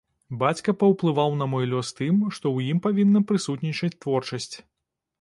Бацька паўплываў на мой лёс тым, што ў ім павінна прысутнічаць творчасць.